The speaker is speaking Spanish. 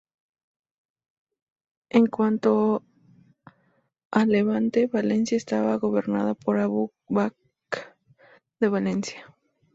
En cuanto al levante, Valencia estaba gobernada por Abú Bakr de Valencia.